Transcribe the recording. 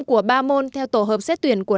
của ba môn theo tổ hợp xét tuyển của